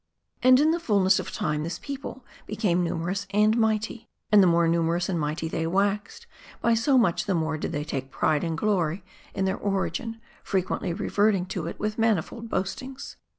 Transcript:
And in the fullness of time, this people became numerous and mighty. And the more numerous and mighty they waxed, by so much the more did they take pride and glory in their origin, frequently reverting to it with manifold boastings.